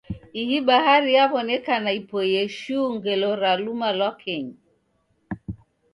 Ihi bahari yaw'onekana ipoie shuu ngelo ra luma lwa kenyi.